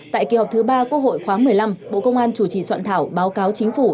tại kỳ họp thứ ba quốc hội khóa một mươi năm bộ công an chủ trì soạn thảo báo cáo chính phủ